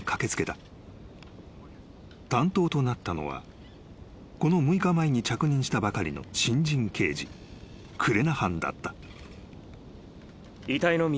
［担当となったのはこの６日前に着任したばかりの新人刑事クレナハンだった］